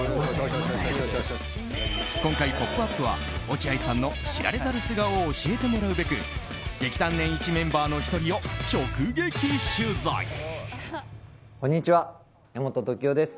今回「ポップＵＰ！」は落合さんの知られざる姿を教えてもらうべく劇団年一メンバーの１人をこんにちは、柄本時生です。